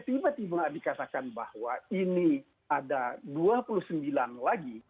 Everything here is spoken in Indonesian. tiba tiba dikatakan bahwa ini ada dua puluh sembilan lagi